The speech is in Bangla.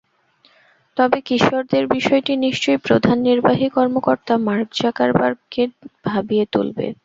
তবে কিশোরদের বিষয়টি নিশ্চয়ই প্রধান নির্বাহী কর্মকর্তা মার্ক জাকারবার্গকে ভাবিয়ে তুলবে।